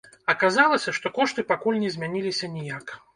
Аказалася, што кошты пакуль не змяніліся ніяк.